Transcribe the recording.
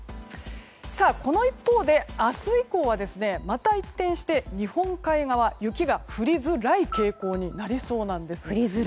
この一方で明日以降はまた一転して日本海側、雪が降りづらい傾向になりそうです。